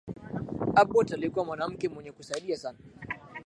abbott alikuwa mwanamke mwenye kusaidia sana